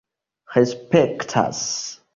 respektas